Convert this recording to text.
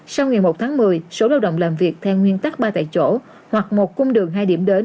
sau ngày một tháng một mươi số lao động làm việc theo nguyên tắc ba tại chỗ hoặc một cung đường hai điểm đến